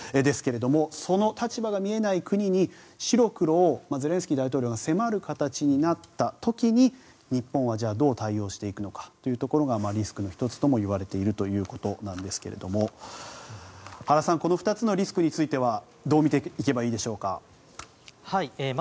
その立場が見えない国に白黒をゼレンスキー大統領が迫る形になった時に日本はどう対応していくのかというところがリスクの１つともいわれているということなんですが原さん、この２つのリスクについてはどう見ていけばいいでしょうか。